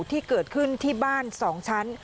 ที่เกิดขึ้นที่บ้าน๒ชั้น